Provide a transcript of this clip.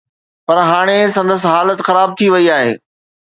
پر هاڻي سندس حالت خراب ٿي وئي آهي.